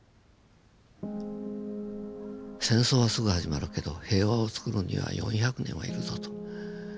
戦争はすぐ始まるけど平和をつくるには４００年は要るぞと。